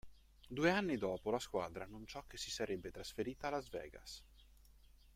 Due anni dopo la squadra annunciò che si sarebbe trasferita a Las Vegas.